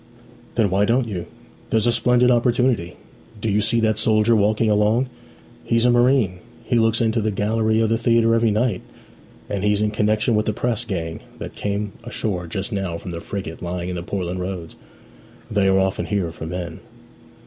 'Then why don't you? There's a splendid opportunity. Do you see that soldier walking along? He's a marine; he looks into the gallery of the theatre every night: and he's in connexion with the press gang that came ashore just now from the frigate lying in Portland Roads. They are often here for men.'